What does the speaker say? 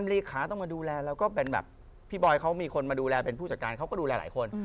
เลขาต้องมาดูแลแล้วก็เป็นแบบพี่บอยเขามีคนมาดูแลเป็นผู้จัดการเขาก็ดูแลหลายคน